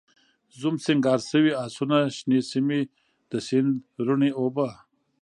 زوم، سینګار شوي آسونه، شنې سیمې، د سیند رڼې اوبه